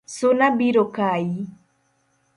Suna biro kayi